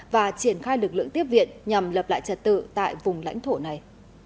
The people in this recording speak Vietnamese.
và triển khai lực lượng tiếp viện nhằm lập lại trật tự tại vùng lãnh thổ này